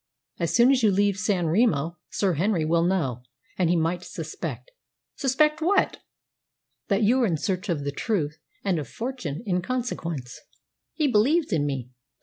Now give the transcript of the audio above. As soon as you leave San Remo Sir Henry will know, and he might suspect." "Suspect what?" "That you are in search of the truth, and of fortune in consequence." "He believes in me.